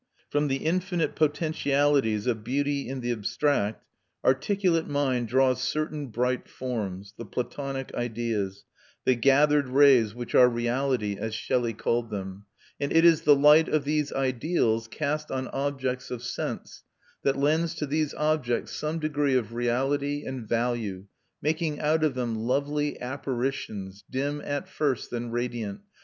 From the infinite potentialities of beauty in the abstract, articulate mind draws certain bright forms the Platonic ideas "the gathered rays which are reality," as Shelley called them: and it is the light of these ideals cast on objects of sense that lends to these objects some degree of reality and value, making out of them "lovely apparitions, dim at first, then radiant